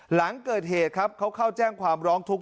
หลังเกิดเหตุครับเขาเข้าแจ้งความร้องทุกข